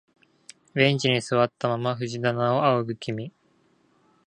ベンチに座ったまま藤棚を仰ぐ君、